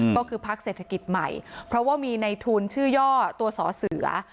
ก็คือพักเศรษฐกิจใหม่เพราะว่ามีในทุนชื่อย่อตัวสอเสือ